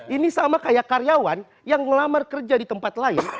ini sama kayak karyawan yang ngelamar kerja di tempat lain